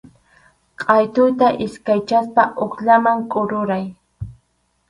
Qʼaytuta iskaychaspa hukllaman kururay.